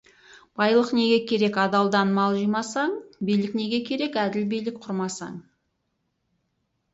Байлық неге керек, адалдан мал жимасаң, билік неге керек, әділ билік құрмасаң.